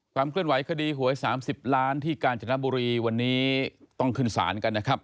เคลื่อนไหวคดีหวย๓๐ล้านที่กาญจนบุรีวันนี้ต้องขึ้นศาลกันนะครับ